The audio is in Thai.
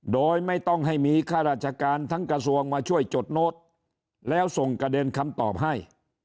โดยไม่ต้องให้มีข้าราชการทั้งกระทรวงมาช่วยจดโน้ตแล้วส่งกระเด็นคำตอบให้